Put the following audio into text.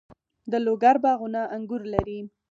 د لوګر باغونه انګور لري.